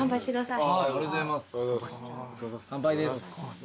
乾杯です。